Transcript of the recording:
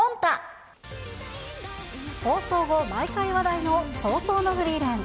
放送後、毎回話題の葬送のフリーレン。